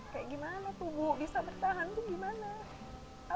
kayak gimana tuh bu bisa bertahan tuh gimana